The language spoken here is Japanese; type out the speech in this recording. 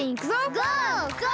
ゴー！